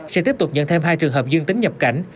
sẽ tiếp tục nhận thêm hai trường hợp dương tính nhập cảnh